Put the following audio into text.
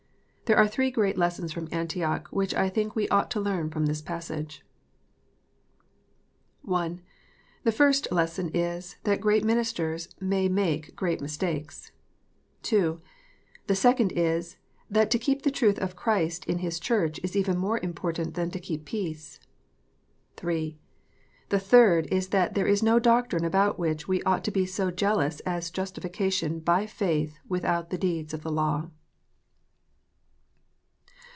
There are three great lessons from Antioch, which I think we ought to learn from this passage. I. The first lesson is, that great ministers may make great mistakes. II. The second is, that to keep the truth of Christ in Hi* CI lurch is even more important than to keep peace. III. The third is, that there is no doctrine about which ire ought to be so jealous as justification by faith without the deeds of the law.